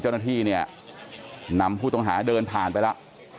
เจ้าหน้าที่เนี่ยนำผู้ต้องหาเดินผ่านไปแล้ว